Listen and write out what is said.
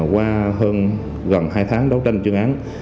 qua hơn gần hai tháng đấu tranh chuyên án